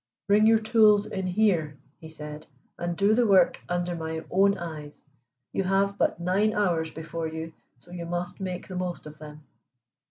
"Bring your tools in here," he said, "and do the work under my own eyes. You have but nine hours before you, so you must make the most of them."